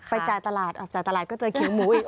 ไปจ่ายตลาดจ่ายตลาดก็เจอคิวหมูอีก